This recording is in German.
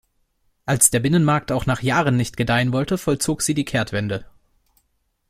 Als der Binnenmarkt auch nach Jahren nicht gedeihen wollte, vollzog sie die Kehrtwende.